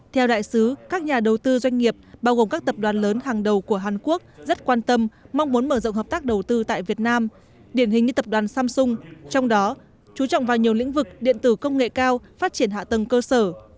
theo đại sứ các nhà đầu tư doanh nghiệp bao gồm các tập đoàn lớn hàng đầu của hàn quốc rất quan tâm mong muốn mở rộng hợp tác đầu tư tại việt nam điển hình như tập đoàn samsung trong đó chú trọng vào nhiều lĩnh vực điện tử công nghệ cao phát triển hạ tầng cơ sở